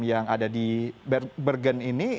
yang ada di bergen ini